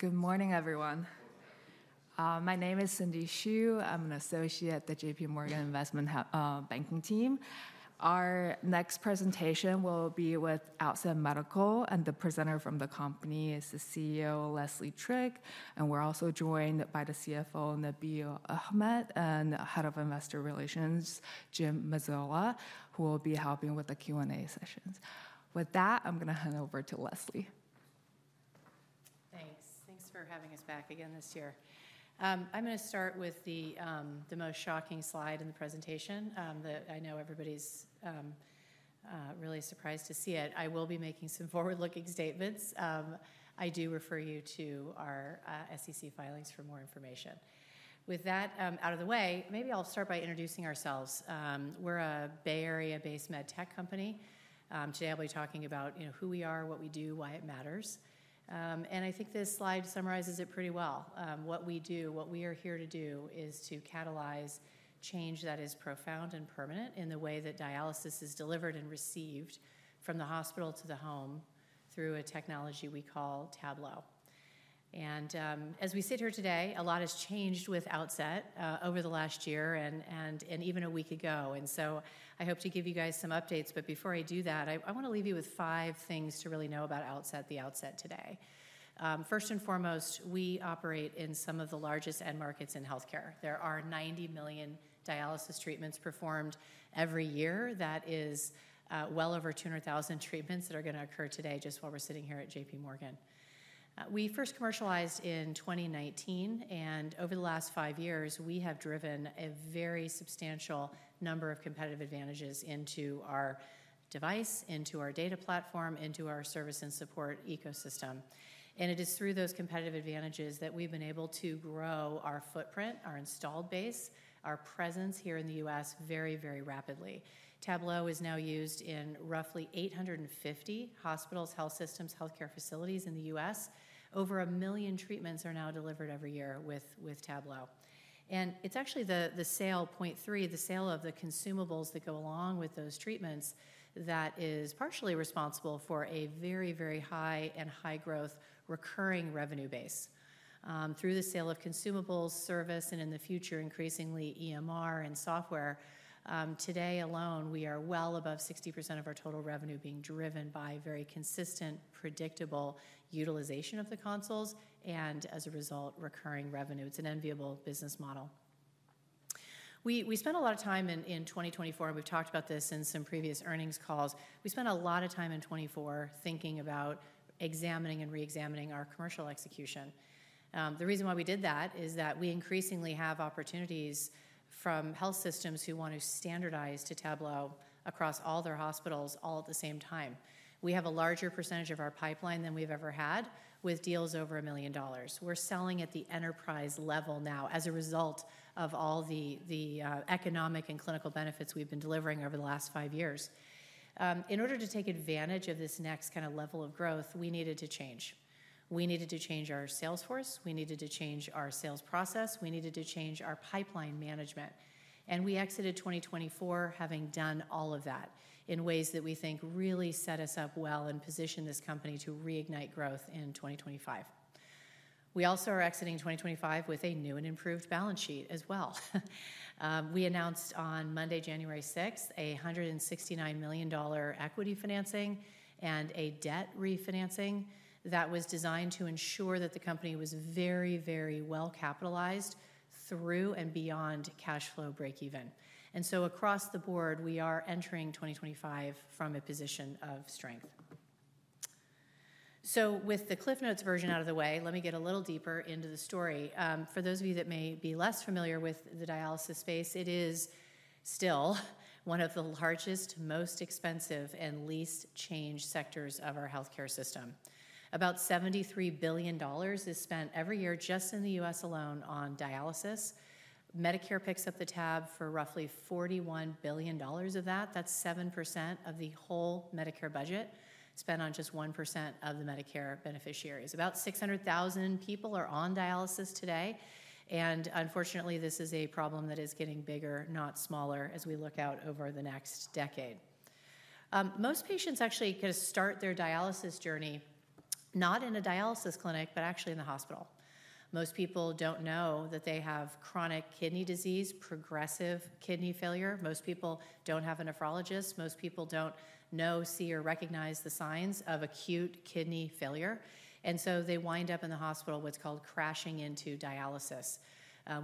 All right. Good morning, everyone. My name is Cindy Xu. I'm an associate at the JPMorgan Investment Banking team. Our next presentation will be with Outset Medical, and the presenter from the company is the CEO, Leslie Trigg, and we're also joined by the CFO, Nabeel Ahmed, and the Head of Investor Relations, Jim Mazzola, who will be helping with the Q&A sessions. With that, I'm going to hand over to Leslie. Thanks. Thanks for having us back again this year. I'm going to start with the most shocking slide in the presentation that I know everybody's really surprised to see it. I will be making some forward-looking statements. I do refer you to our SEC filings for more information. With that out of the way, maybe I'll start by introducing ourselves. We're a Bay Area-based med tech company. Today, I'll be talking about who we are, what we do, why it matters. And I think this slide summarizes it pretty well. What we do, what we are here to do, is to catalyze change that is profound and permanent in the way that dialysis is delivered and received from the hospital to the home through a technology we call Tablo. And as we sit here today, a lot has changed with Outset over the last year and even a week ago. I hope to give you guys some updates. But before I do that, I want to leave you with five things to really know about Outset, the Outset today. First and foremost, we operate in some of the largest end markets in health care. There are 90 million dialysis treatments performed every year. That is well over 200,000 treatments that are going to occur today just while we're sitting here at JPMorgan. We first commercialized in 2019, and over the last five years, we have driven a very substantial number of competitive advantages into our device, into our data platform, into our service and support ecosystem. It is through those competitive advantages that we've been able to grow our footprint, our installed base, our presence here in the U.S. very, very rapidly. Tablo is now used in roughly 850 hospitals, health systems, health care facilities in the U.S. Over a million treatments are now delivered every year with Tablo. And it's actually the sale of consoles, the sale of the consumables that go along with those treatments that is partially responsible for a very, very high and high growth recurring revenue base. Through the sale of consumables, service, and in the future, increasingly EMR and software, today alone, we are well above 60% of our total revenue being driven by very consistent, predictable utilization of the consoles and, as a result, recurring revenue. It's an enviable business model. We spent a lot of time in 2024, and we've talked about this in some previous earnings calls. We spent a lot of time in 2024 thinking about examining and reexamining our commercial execution. The reason why we did that is that we increasingly have opportunities from health systems who want to standardize to Tablo across all their hospitals all at the same time. We have a larger percentage of our pipeline than we've ever had, with deals over $1 million. We're selling at the enterprise level now as a result of all the economic and clinical benefits we've been delivering over the last five years. In order to take advantage of this next kind of level of growth, we needed to change. We needed to change our sales force. We needed to change our sales process. We needed to change our pipeline management, and we exited 2024 having done all of that in ways that we think really set us up well and positioned this company to reignite growth in 2025. We also are exiting 2025 with a new and improved balance sheet as well. We announced on Monday, January 6, a $169 million equity financing and a debt refinancing that was designed to ensure that the company was very, very well capitalized through and beyond cash flow breakeven, and so across the board, we are entering 2025 from a position of strength. So with the Cliff Notes version out of the way, let me get a little deeper into the story. For those of you that may be less familiar with the dialysis space, it is still one of the largest, most expensive, and least changed sectors of our health care system. About $73 billion is spent every year just in the U.S. alone on dialysis. Medicare picks up the tab for roughly $41 billion of that. That's 7% of the whole Medicare budget spent on just 1% of the Medicare beneficiaries. About 600,000 people are on dialysis today, and unfortunately, this is a problem that is getting bigger, not smaller, as we look out over the next decade. Most patients actually kind of start their dialysis journey not in a dialysis clinic, but actually in the hospital. Most people don't know that they have chronic kidney disease, progressive kidney failure. Most people don't have a nephrologist. Most people don't know, see, or recognize the signs of acute kidney failure, and so they wind up in the hospital, what's called crashing into dialysis,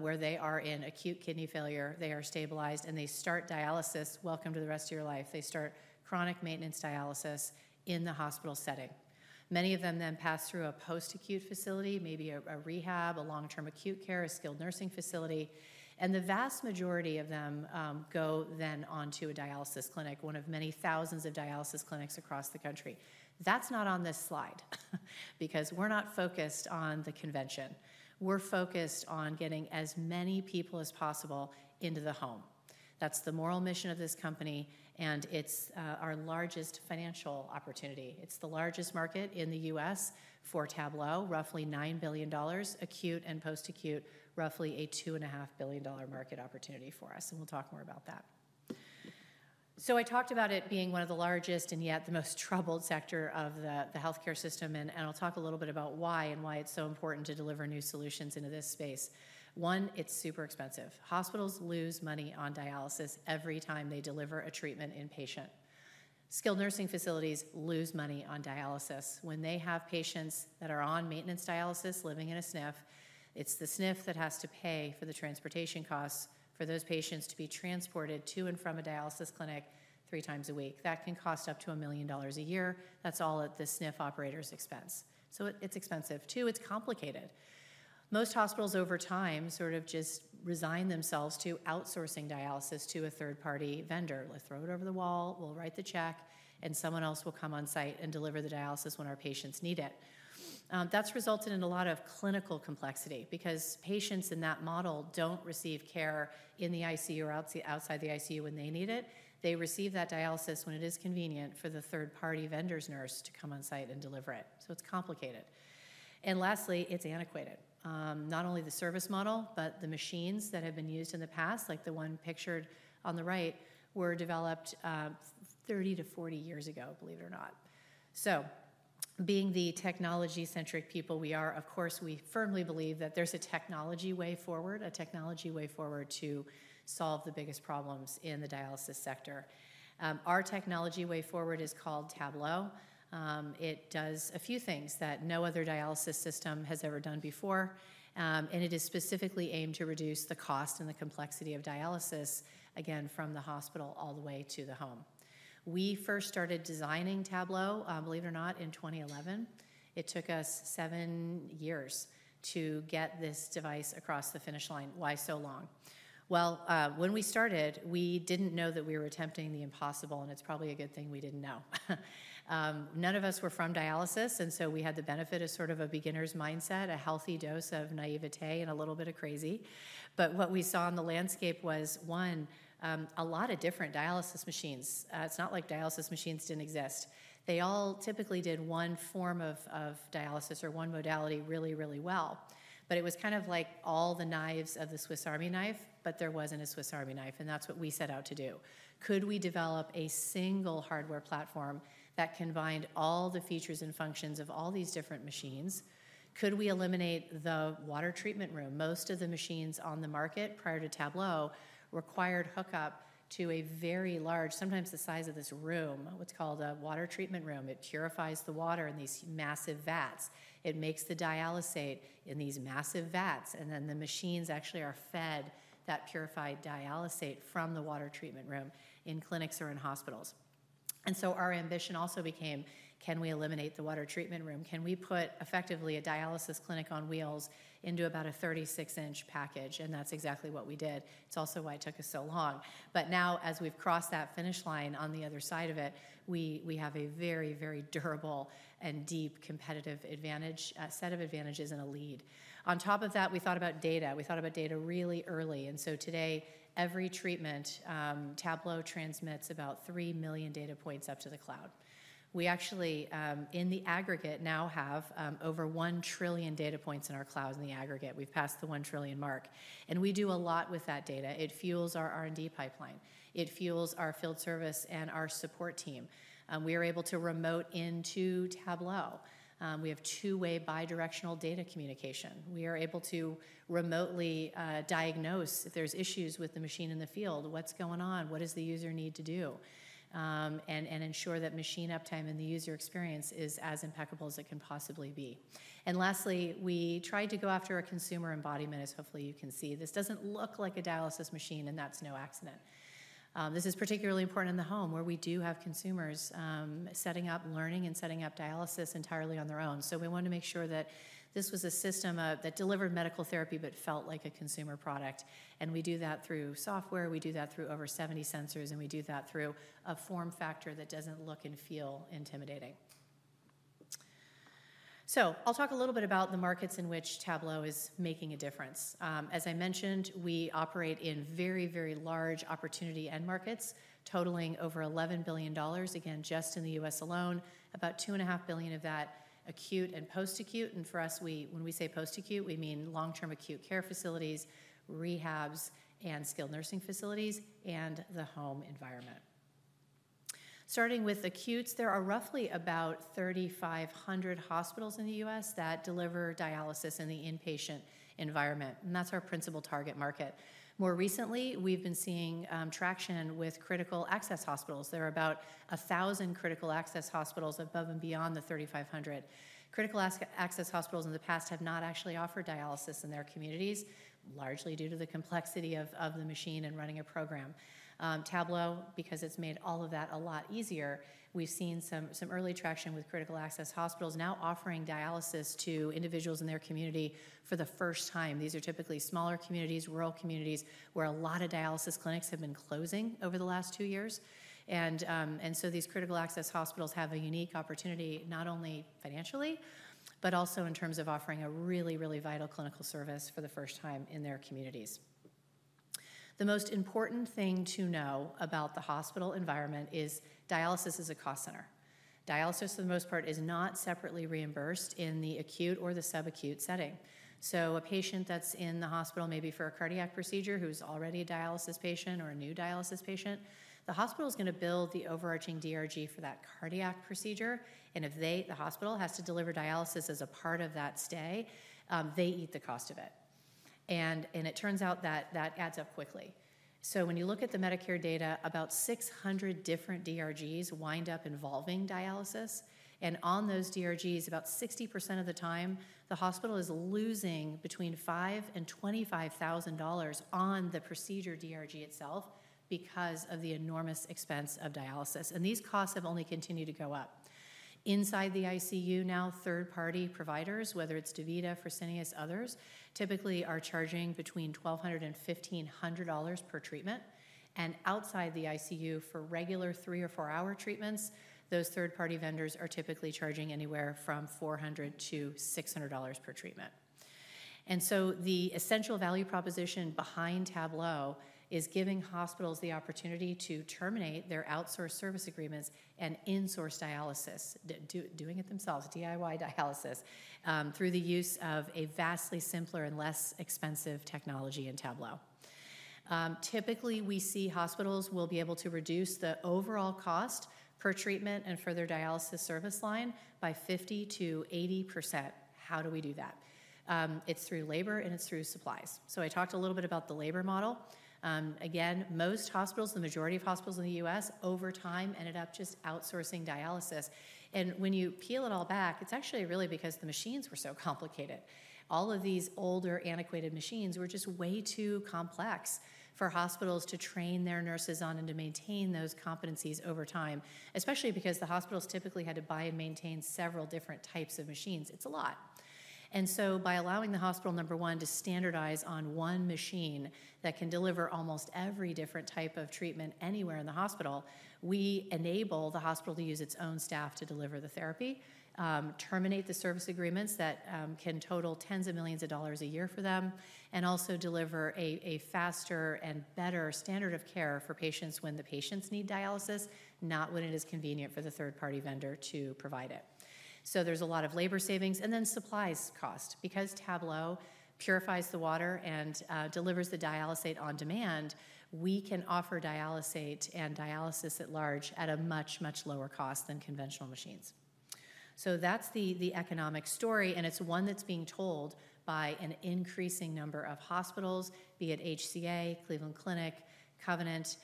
where they are in acute kidney failure. They are stabilized, and they start dialysis. Welcome to the rest of your life. They start chronic maintenance dialysis in the hospital setting. Many of them then pass through a post-acute facility, maybe a rehab, a long-term acute care, a skilled nursing facility, and the vast majority of them go then on to a dialysis clinic, one of many thousands of dialysis clinics across the country. That's not on this slide because we're not focused on the conventional. We're focused on getting as many people as possible into the home. That's the moral mission of this company, and it's our largest financial opportunity. It's the largest market in the U.S. for Tablo, roughly $9 billion, acute and post-acute, roughly a $2.5 billion market opportunity for us, and we'll talk more about that, so I talked about it being one of the largest and yet the most troubled sector of the health care system, and I'll talk a little bit about why and why it's so important to deliver new solutions into this space. One, it's super expensive. Hospitals lose money on dialysis every time they deliver a treatment inpatient. Skilled nursing facilities lose money on dialysis when they have patients that are on maintenance dialysis living in a SNF. It's the SNF that has to pay for the transportation costs for those patients to be transported to and from a dialysis clinic three times a week. That can cost up to $1 million a year. That's all at the SNF operator's expense. So it's expensive. Two, it's complicated. Most hospitals over time sort of just resign themselves to outsourcing dialysis to a third-party vendor. We'll throw it over the wall, we'll write the check, and someone else will come on site and deliver the dialysis when our patients need it. That's resulted in a lot of clinical complexity because patients in that model don't receive care in the ICU or outside the ICU when they need it. They receive that dialysis when it is convenient for the third-party vendor's nurse to come on site and deliver it. So it's complicated. And lastly, it's antiquated. Not only the service model, but the machines that have been used in the past, like the one pictured on the right, were developed 30-40 years ago, believe it or not. So being the technology-centric people we are, of course, we firmly believe that there's a technology way forward, a technology way forward to solve the biggest problems in the dialysis sector. Our technology way forward is called Tablo. It does a few things that no other dialysis system has ever done before. And it is specifically aimed to reduce the cost and the complexity of dialysis, again, from the hospital all the way to the home. We first started designing Tablo, believe it or not, in 2011. It took us seven years to get this device across the finish line. Why so long? Well, when we started, we didn't know that we were attempting the impossible. And it's probably a good thing we didn't know. None of us were from dialysis. And so we had the benefit of sort of a beginner's mindset, a healthy dose of naivete and a little bit of crazy. But what we saw in the landscape was, one, a lot of different dialysis machines. It's not like dialysis machines didn't exist. They all typically did one form of dialysis or one modality really, really well. But it was kind of like all the knives of the Swiss Army knife, but there wasn't a Swiss Army knife. And that's what we set out to do. Could we develop a single hardware platform that combined all the features and functions of all these different machines? Could we eliminate the water treatment room? Most of the machines on the market prior to Tablo required hookup to a very large, sometimes the size of this room, what's called a water treatment room. It purifies the water in these massive vats. It makes the dialysate in these massive vats. And then the machines actually are fed that purified dialysate from the water treatment room in clinics or in hospitals. And so our ambition also became, can we eliminate the water treatment room? Can we put effectively a dialysis clinic on wheels into about a 36-inch package? That's exactly what we did. It's also why it took us so long. But now, as we've crossed that finish line on the other side of it, we have a very, very durable and deep competitive advantage, a set of advantages and a lead. On top of that, we thought about data. We thought about data really early. And so today, every treatment, Tablo transmits about 3 million data points up to the cloud. We actually, in the aggregate, now have over 1 trillion data points in our clouds in the aggregate. We've passed the 1 trillion mark. And we do a lot with that data. It fuels our R&D pipeline. It fuels our field service and our support team. We are able to remote into Tablo. We have two-way bidirectional data communication. We are able to remotely diagnose if there's issues with the machine in the field, what's going on, what does the user need to do, and ensure that machine uptime and the user experience is as impeccable as it can possibly be, and lastly, we tried to go after a consumer embodiment, as hopefully you can see. This doesn't look like a dialysis machine, and that's no accident. This is particularly important in the home where we do have consumers setting up, learning, and setting up dialysis entirely on their own, so we wanted to make sure that this was a system that delivered medical therapy but felt like a consumer product, and we do that through software. We do that through over 70 sensors, and we do that through a form factor that doesn't look and feel intimidating. I'll talk a little bit about the markets in which Tablo is making a difference. As I mentioned, we operate in very, very large opportunity end markets totaling over $11 billion, again, just in the U.S. alone, about $2.5 billion of that acute and post-acute. And for us, when we say post-acute, we mean long-term acute care facilities, rehabs, and skilled nursing facilities, and the home environment. Starting with acutes, there are roughly about 3,500 hospitals in the U.S. that deliver dialysis in the inpatient environment. And that's our principal target market. More recently, we've been seeing traction with critical access hospitals. There are about 1,000 critical access hospitals above and beyond the 3,500. Critical access hospitals in the past have not actually offered dialysis in their communities, largely due to the complexity of the machine and running a program. Tablo, because it's made all of that a lot easier, we've seen some early traction with critical access hospitals now offering dialysis to individuals in their community for the first time. These are typically smaller communities, rural communities, where a lot of dialysis clinics have been closing over the last two years. And so these critical access hospitals have a unique opportunity not only financially, but also in terms of offering a really, really vital clinical service for the first time in their communities. The most important thing to know about the hospital environment is dialysis is a cost center. Dialysis, for the most part, is not separately reimbursed in the acute or the subacute setting. So a patient that's in the hospital, maybe for a cardiac procedure, who's already a dialysis patient or a new dialysis patient, the hospital is going to bill the overarching DRG for that cardiac procedure. And if the hospital has to deliver dialysis as a part of that stay, they eat the cost of it. And it turns out that that adds up quickly. So when you look at the Medicare data, about 600 different DRGs wind up involving dialysis. And on those DRGs, about 60% of the time, the hospital is losing between $5,000 and $25,000 on the procedure DRG itself because of the enormous expense of dialysis. And these costs have only continued to go up. Inside the ICU now, third-party providers, whether it's DaVita, Fresenius, others, typically are charging between $1,200 and $1,500 per treatment. Outside the ICU, for regular three- or four-hour treatments, those third-party vendors are typically charging anywhere from $400-$600 per treatment. The essential value proposition behind Tablo is giving hospitals the opportunity to terminate their outsourced service agreements and insource dialysis, doing it themselves, DIY dialysis, through the use of a vastly simpler and less expensive technology in Tablo. Typically, we see hospitals will be able to reduce the overall cost per treatment and for their dialysis service line by 50%-80%. How do we do that? It's through labor, and it's through supplies. I talked a little bit about the labor model. Again, most hospitals, the majority of hospitals in the U.S., over time ended up just outsourcing dialysis. When you peel it all back, it's actually really because the machines were so complicated. All of these older antiquated machines were just way too complex for hospitals to train their nurses on and to maintain those competencies over time, especially because the hospitals typically had to buy and maintain several different types of machines. It's a lot, and so by allowing the hospital, number one, to standardize on one machine that can deliver almost every different type of treatment anywhere in the hospital, we enable the hospital to use its own staff to deliver the therapy, terminate the service agreements that can total tens of millions of dollars a year for them, and also deliver a faster and better standard of care for patients when the patients need dialysis, not when it is convenient for the third-party vendor to provide it, so there's a lot of labor savings, and then supplies cost. Because Tablo purifies the water and delivers the dialysate on demand, we can offer dialysate and dialysis at large at a much, much lower cost than conventional machines. So that's the economic story. And it's one that's being told by an increasing number of hospitals, be it HCA, Cleveland Clinic, Covenant.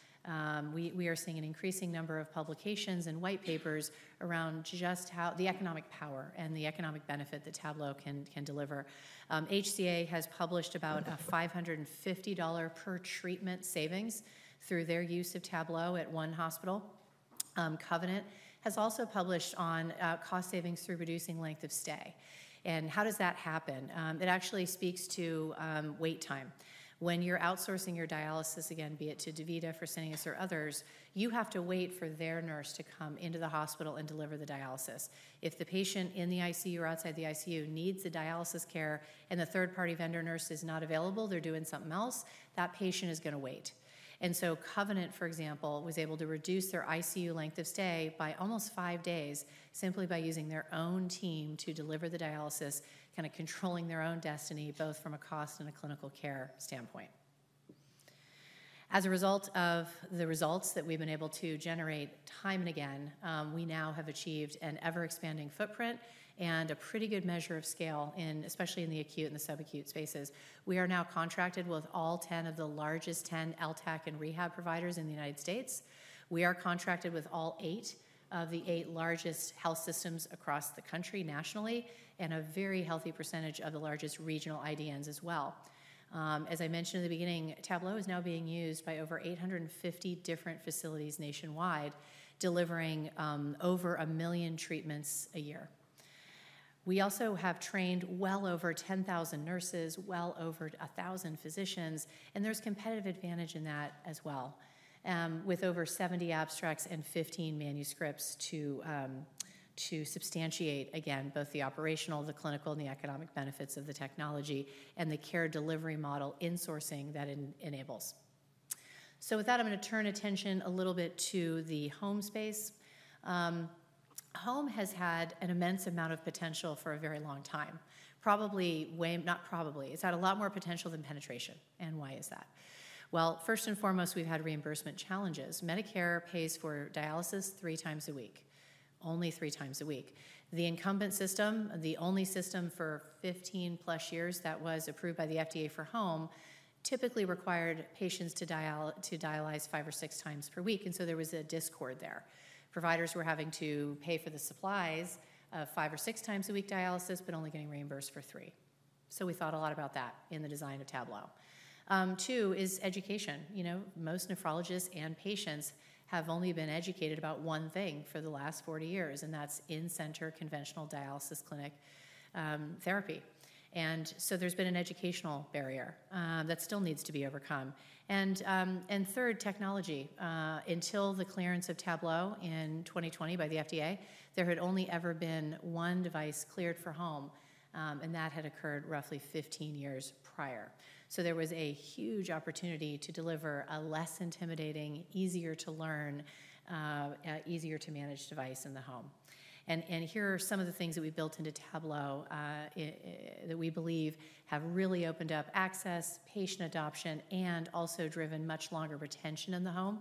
We are seeing an increasing number of publications and white papers around just how the economic power and the economic benefit that Tablo can deliver. HCA has published about a $550 per treatment savings through their use of Tablo at one hospital. Covenant has also published on cost savings through reducing length of stay. And how does that happen? It actually speaks to wait time. When you're outsourcing your dialysis, again, be it to DaVita, Fresenius, or others, you have to wait for their nurse to come into the hospital and deliver the dialysis. If the patient in the ICU or outside the ICU needs the dialysis care and the third-party vendor nurse is not available, they're doing something else, that patient is going to wait, and so Covenant, for example, was able to reduce their ICU length of stay by almost five days simply by using their own team to deliver the dialysis, kind of controlling their own destiny both from a cost and a clinical care standpoint. As a result of the results that we've been able to generate time and again, we now have achieved an ever-expanding footprint and a pretty good measure of scale, especially in the acute and the subacute spaces. We are now contracted with all 10 of the largest 10 LTCH and rehab providers in the United States. We are contracted with all eight of the largest health systems across the country nationally and a very healthy percentage of the largest regional IDNs as well. As I mentioned in the beginning, Tablo is now being used by over 850 different facilities nationwide, delivering over a million treatments a year. We also have trained well over 10,000 nurses, well over 1,000 physicians. And there's competitive advantage in that as well, with over 70 abstracts and 15 manuscripts to substantiate, again, both the operational, the clinical, and the economic benefits of the technology and the care delivery model insourcing that it enables. So with that, I'm going to turn attention a little bit to the home space. Home has had an immense amount of potential for a very long time. Probably not. It's had a lot more potential than penetration. And why is that? First and foremost, we've had reimbursement challenges. Medicare pays for dialysis three times a week, only three times a week. The incumbent system, the only system for 15+ years that was approved by the FDA for home, typically required patients to dialyze five or six times per week. There was a discord there. Providers were having to pay for the supplies of five or six times a week dialysis, but only getting reimbursed for three. We thought a lot about that in the design of Tablo. Two is education. Most nephrologists and patients have only been educated about one thing for the last 40 years, and that's in-center conventional dialysis clinic therapy. There's been an educational barrier that still needs to be overcome. Third, technology. Until the clearance of Tablo in 2020 by the FDA, there had only ever been one device cleared for home. And that had occurred roughly 15 years prior. So there was a huge opportunity to deliver a less intimidating, easier to learn, easier to manage device in the home. And here are some of the things that we built into Tablo that we believe have really opened up access, patient adoption, and also driven much longer retention in the home.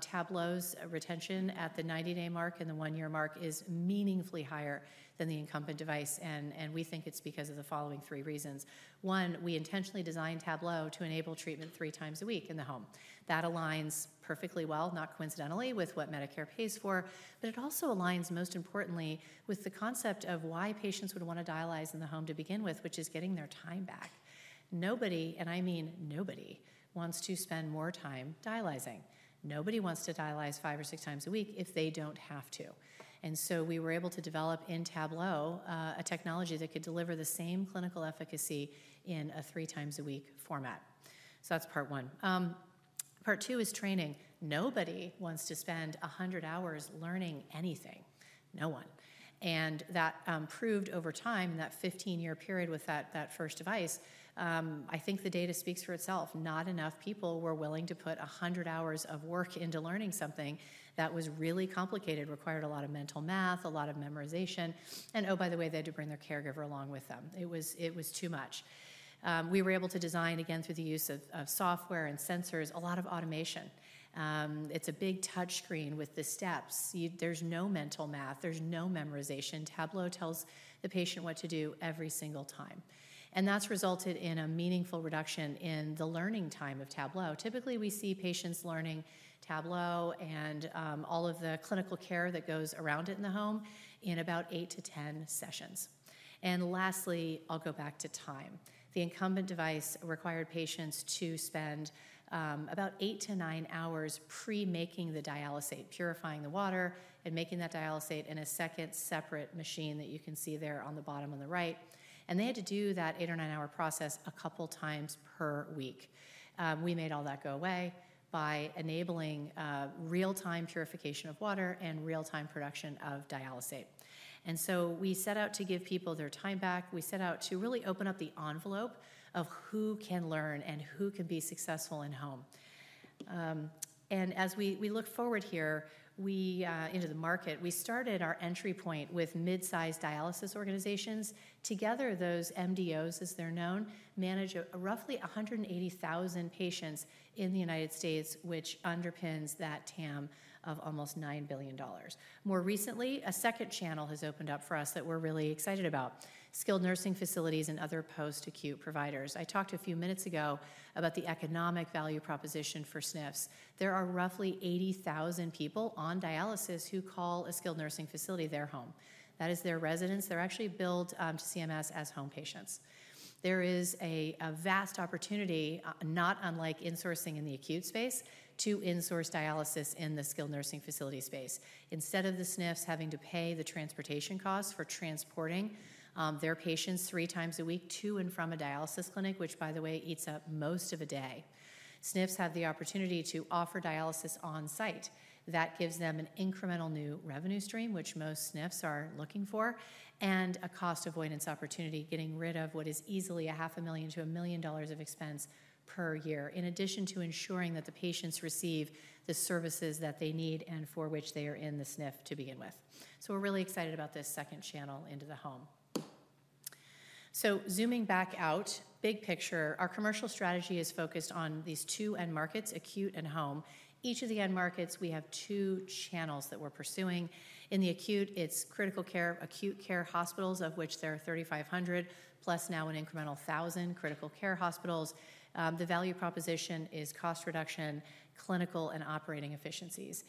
Tablo's retention at the 90-day mark and the one-year mark is meaningfully higher than the incumbent device. And we think it's because of the following three reasons. One, we intentionally designed Tablo to enable treatment three times a week in the home. That aligns perfectly well, not coincidentally, with what Medicare pays for. But it also aligns, most importantly, with the concept of why patients would want to dialyze in the home to begin with, which is getting their time back. Nobody, and I mean nobody, wants to spend more time dialyzing. Nobody wants to dialyze five or six times a week if they don't have to. And so we were able to develop in Tablo a technology that could deliver the same clinical efficacy in a three-times-a-week format. So that's part one. Part two is training. Nobody wants to spend 100 hours learning anything. No one. And that proved over time, that 15-year period with that first device, I think the data speaks for itself. Not enough people were willing to put 100 hours of work into learning something that was really complicated, required a lot of mental math, a lot of memorization. Oh, by the way, they had to bring their caregiver along with them. It was too much. We were able to design, again, through the use of software and sensors, a lot of automation. It's a big touchscreen with the steps. There's no mental math. There's no memorization. Tablo tells the patient what to do every single time. And that's resulted in a meaningful reduction in the learning time of Tablo. Typically, we see patients learning Tablo and all of the clinical care that goes around it in the home in about eight to 10 sessions. And lastly, I'll go back to time. The incumbent device required patients to spend about eight to nine hours pre-making the dialysate, purifying the water, and making that dialysate in a second separate machine that you can see there on the bottom on the right. They had to do that eight or nine-hour process a couple of times per week. We made all that go away by enabling real-time purification of water and real-time production of dialysate. And so we set out to give people their time back. We set out to really open up the envelope of who can learn and who can be successful in home. And as we look forward here into the market, we started our entry point with mid-size dialysis organizations. Together, those MDOs, as they're known, manage roughly 180,000 patients in the United States, which underpins that TAM of almost $9 billion. More recently, a second channel has opened up for us that we're really excited about: skilled nursing facilities and other post-acute providers. I talked a few minutes ago about the economic value proposition for SNFs. There are roughly 80,000 people on dialysis who call a skilled nursing facility their home. That is their residence. They're actually billed to CMS as home patients. There is a vast opportunity, not unlike insourcing in the acute space, to insource dialysis in the skilled nursing facility space. Instead of the SNFs having to pay the transportation costs for transporting their patients three times a week to and from a dialysis clinic, which, by the way, eats up most of a day, SNFs have the opportunity to offer dialysis on-site. That gives them an incremental new revenue stream, which most SNFs are looking for, and a cost avoidance opportunity, getting rid of what is easily $500,000-$1 million of expense per year, in addition to ensuring that the patients receive the services that they need and for which they are in the SNF to begin with. So we're really excited about this second channel into the home. So zooming back out, big picture, our commercial strategy is focused on these two end markets: acute and home. Each of the end markets, we have two channels that we're pursuing. In the acute, it's critical care, acute care hospitals, of which there are 3,500, plus now an incremental 1,000 critical care hospitals. The value proposition is cost reduction, clinical and operating efficiencies.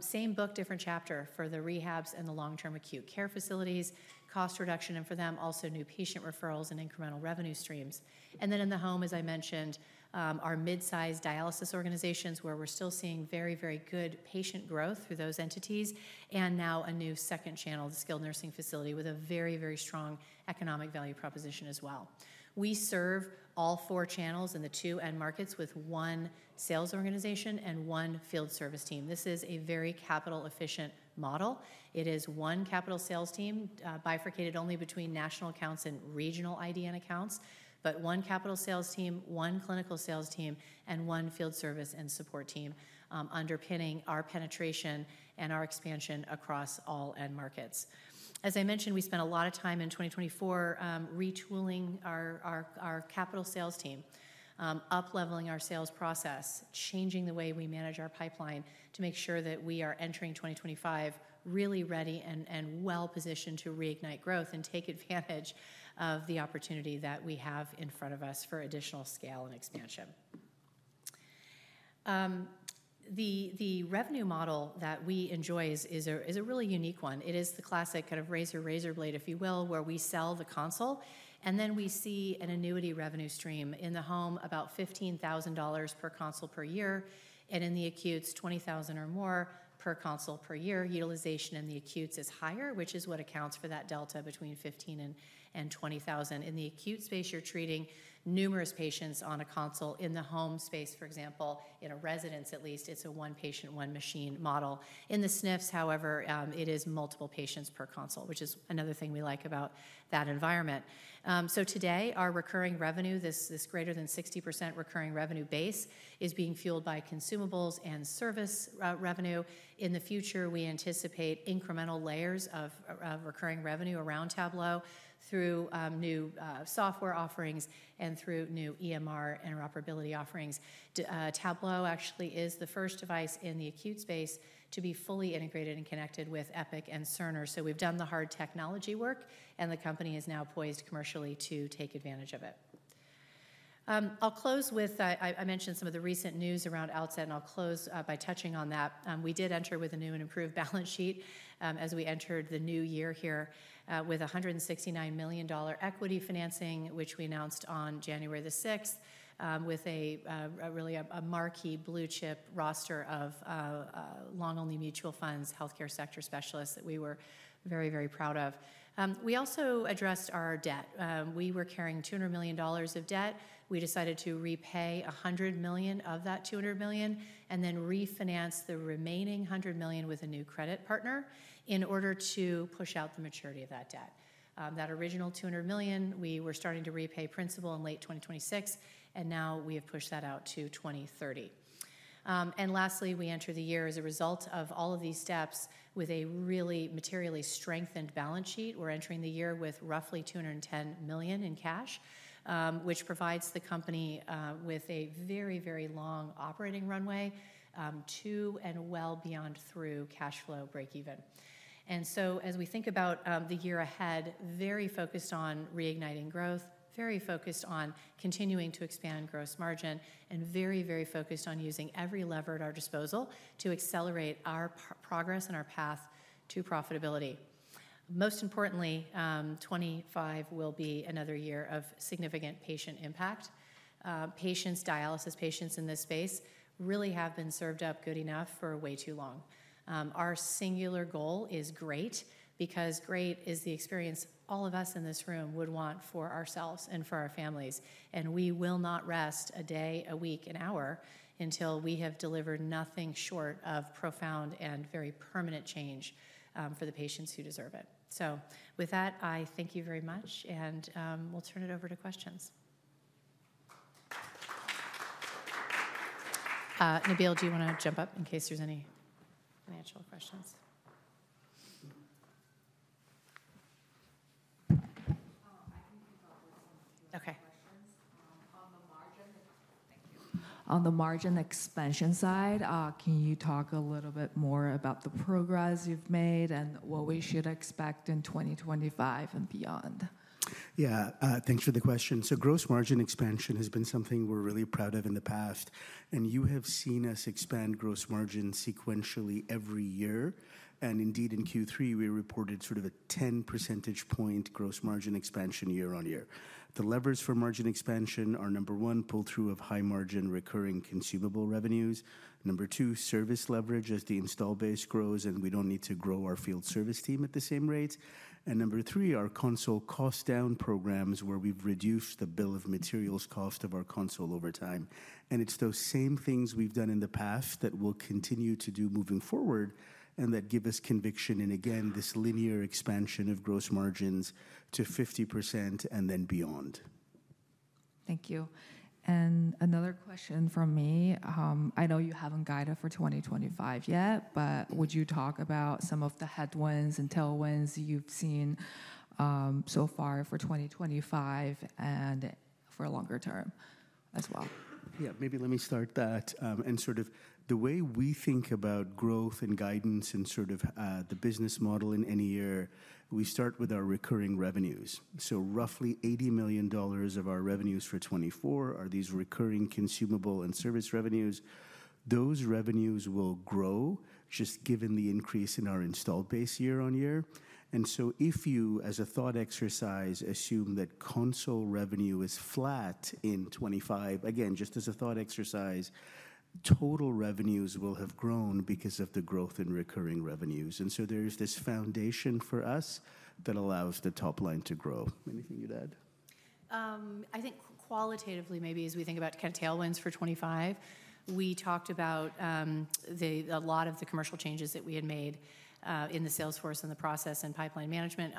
Same book, different chapter for the rehabs and the long-term acute care facilities, cost reduction, and for them, also new patient referrals and incremental revenue streams. And then in the home, as I mentioned, our mid-size dialysis organizations, where we're still seeing very, very good patient growth through those entities, and now a new second channel, the skilled nursing facility, with a very, very strong economic value proposition as well. We serve all four channels in the two end markets with one sales organization and one field service team. This is a very capital-efficient model. It is one capital sales team bifurcated only between national accounts and regional IDN accounts, but one capital sales team, one clinical sales team, and one field service and support team underpinning our penetration and our expansion across all end markets. As I mentioned, we spent a lot of time in 2024 retooling our capital sales team, up-leveling our sales process, changing the way we manage our pipeline to make sure that we are entering 2025 really ready and well-positioned to reignite growth and take advantage of the opportunity that we have in front of us for additional scale and expansion. The revenue model that we enjoy is a really unique one. It is the classic kind of razor-razor blade, if you will, where we sell the console, and then we see an annuity revenue stream in the home, about $15,000 per console per year. And in the acutes, $20,000 or more per console per year. Utilization in the acutes is higher, which is what accounts for that delta between $15,000 and $20,000. In the acute space, you're treating numerous patients on a console. In the home space, for example, in a residence at least, it's a one-patient, one-machine model. In the SNFs, however, it is multiple patients per console, which is another thing we like about that environment. So today, our recurring revenue, this greater than 60% recurring revenue base, is being fueled by consumables and service revenue. In the future, we anticipate incremental layers of recurring revenue around Tablo through new software offerings and through new EMR interoperability offerings. Tablo actually is the first device in the acute space to be fully integrated and connected with Epic and Cerner. So we've done the hard technology work, and the company is now poised commercially to take advantage of it. I'll close with I mentioned some of the recent news around Outset, and I'll close by touching on that. We did enter with a new and improved balance sheet as we entered the new year here with $169 million equity financing, which we announced on January the 6th with a really marquee blue-chip roster of long-only mutual funds, healthcare sector specialists that we were very, very proud of. We also addressed our debt. We were carrying $200 million of debt. We decided to repay $100 million of that $200 million and then refinance the remaining $100 million with a new credit partner in order to push out the maturity of that debt. That original $200 million, we were starting to repay principal in late 2026, and now we have pushed that out to 2030. And lastly, we entered the year as a result of all of these steps with a really materially strengthened balance sheet. We're entering the year with roughly $210 million in cash, which provides the company with a very, very long operating runway to and well beyond through cash flow breakeven, and so as we think about the year ahead, very focused on reigniting growth, very focused on continuing to expand gross margin, and very, very focused on using every lever at our disposal to accelerate our progress and our path to profitability. Most importantly, 2025 will be another year of significant patient impact. Dialysis patients in this space really have been served up good enough for way too long. Our singular goal is great because great is the experience all of us in this room would want for ourselves and for our families. And we will not rest a day, a week, an hour until we have delivered nothing short of profound and very permanent change for the patients who deserve it. So with that, I thank you very much, and we'll turn it over to questions. Nabeel, do you want to jump up in case there's any financial questions? Okay. On the margin expansion side, can you talk a little bit more about the progress you've made and what we should expect in 2025 and beyond? Yeah, thanks for the question. So gross margin expansion has been something we're really proud of in the past. And you have seen us expand gross margin sequentially every year. And indeed, in Q3, we reported sort of a 10 percentage point gross margin expansion year on year. The levers for margin expansion are, number one, pull-through of high-margin recurring consumable revenues. Number two, service leverage as the install base grows, and we don't need to grow our field service team at the same rates. And number three, our console cost-down programs where we've reduced the bill of materials cost of our console over time. And it's those same things we've done in the past that we'll continue to do moving forward and that give us conviction in, again, this linear expansion of gross margins to 50% and then beyond. Thank you, and another question from me. I know you haven't guided for 2025 yet, but would you talk about some of the headwinds and tailwinds you've seen so far for 2025 and for a longer term as well? Yeah, maybe let me start that. And sort of the way we think about growth and guidance and sort of the business model in any year, we start with our recurring revenues. So roughly $80 million of our revenues for 2024 are these recurring consumable and service revenues. Those revenues will grow just given the increase in our install base year on year. And so if you, as a thought exercise, assume that console revenue is flat in 2025, again, just as a thought exercise, total revenues will have grown because of the growth in recurring revenues. And so there's this foundation for us that allows the top line to grow. Anything you'd add? I think qualitatively, maybe as we think about kind of tailwinds for 2025, we talked about a lot of the commercial changes that we had made in the salesforce and the process and pipeline management.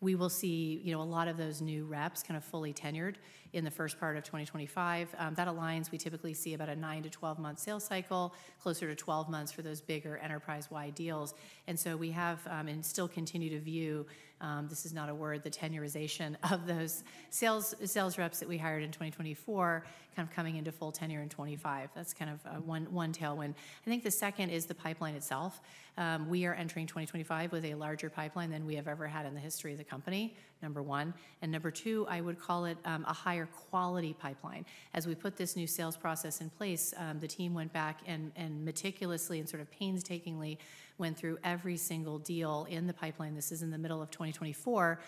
We will see a lot of those new reps kind of fully tenured in the first part of 2025. That aligns. We typically see about a nine to 12-month sales cycle, closer to 12 months for those bigger enterprise-wide deals. And so we have and still continue to view the tenurization of those sales reps that we hired in 2024 kind of coming into full tenure in 2025. That's kind of one tailwind. I think the second is the pipeline itself. We are entering 2025 with a larger pipeline than we have ever had in the history of the company, number one. Number two, I would call it a higher quality pipeline. As we put this new sales process in place, the team went back and meticulously and sort of painstakingly went through every single deal in the pipeline. This is in the middle of 2024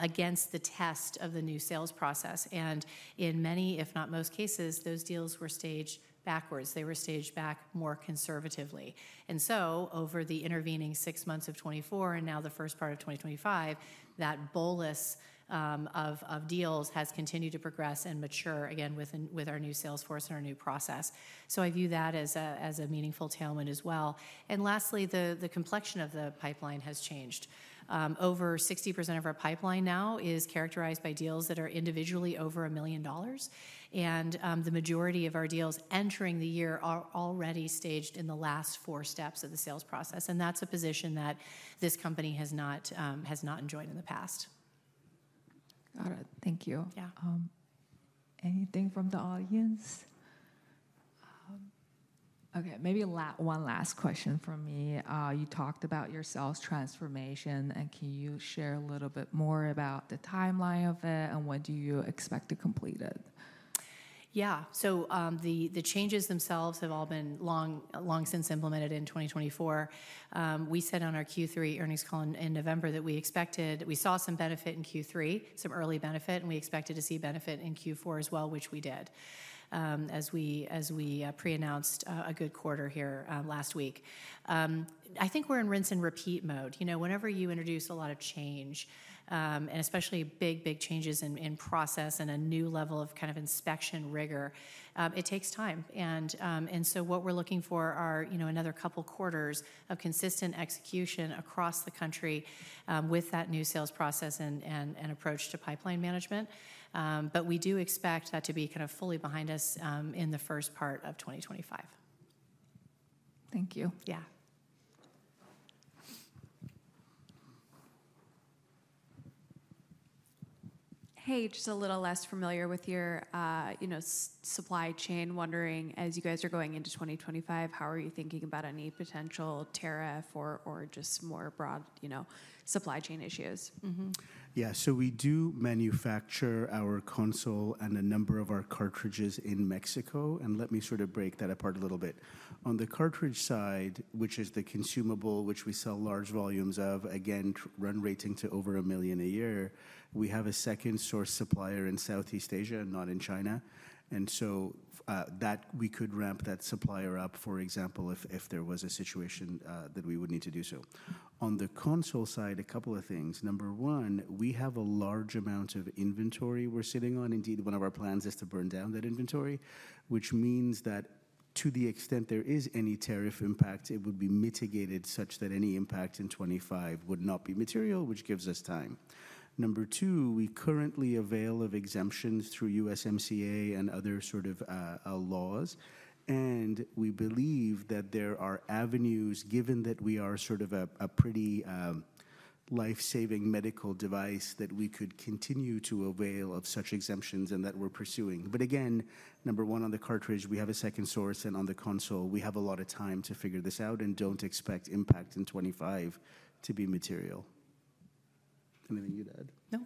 against the test of the new sales process. In many, if not most cases, those deals were staged backwards. They were staged back more conservatively. So over the intervening six months of 2024 and now the first part of 2025, that bolus of deals has continued to progress and mature again with our new salesforce and our new process. So I view that as a meaningful tailwind as well. Lastly, the complexion of the pipeline has changed. Over 60% of our pipeline now is characterized by deals that are individually over a million dollars. And the majority of our deals entering the year are already staged in the last four steps of the sales process. And that's a position that this company has not enjoyed in the past. Got it. Thank you. Yeah. Anything from the audience? Okay, maybe one last question from me. You talked about your sales transformation, and can you share a little bit more about the timeline of it and when do you expect to complete it? Yeah, so the changes themselves have all been long since implemented in 2024. We said on our Q3 earnings call in November that we expected we saw some benefit in Q3, some early benefit, and we expected to see benefit in Q4 as well, which we did as we pre-announced a good quarter here last week. I think we're in rinse and repeat mode. Whenever you introduce a lot of change, and especially big, big changes in process and a new level of kind of inspection rigor, it takes time. And so what we're looking for are another couple of quarters of consistent execution across the country with that new sales process and approach to pipeline management. But we do expect that to be kind of fully behind us in the first part of 2025. Thank you. Yeah. Hey, just a little less familiar with your supply chain, wondering as you guys are going into 2025, how are you thinking about any potential tariff or just more broad supply chain issues? Yeah, so we do manufacture our console and a number of our cartridges in Mexico. And let me sort of break that apart a little bit. On the cartridge side, which is the consumable, which we sell large volumes of, again, run rate to over a million a year, we have a second source supplier in Southeast Asia, not in China. And so that we could ramp that supplier up, for example, if there was a situation that we would need to do so. On the console side, a couple of things. Number one, we have a large amount of inventory we're sitting on. Indeed, one of our plans is to burn down that inventory, which means that to the extent there is any tariff impact, it would be mitigated such that any impact in 2025 would not be material, which gives us time. Number two, we currently avail of exemptions through USMCA and other sort of laws. And we believe that there are avenues, given that we are sort of a pretty lifesaving medical device, that we could continue to avail of such exemptions and that we're pursuing. But again, number one, on the cartridge, we have a second source, and on the console, we have a lot of time to figure this out and don't expect impact in 2025 to be material. Anything you'd add? No.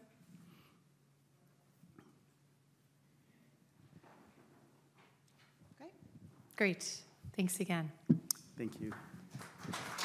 Okay? Great. Thanks again. Thank you.